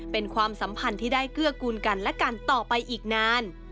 เป็นความสัมพันธ์ที่ได้เกื้อกูลกันและกันต่อไปอีกนาน